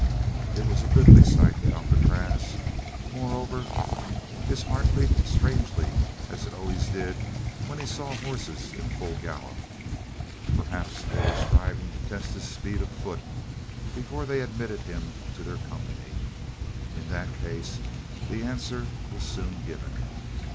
It was a goodly sight to Alcatraz. Moreover, his heart leaped strangely, as it always did when he saw horses in full gallop. Perhaps they were striving to test his speed of foot before they admitted him to their company. In that case the answer was soon given.